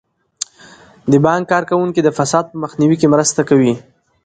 د بانک کارکوونکي د فساد په مخنیوي کې مرسته کوي.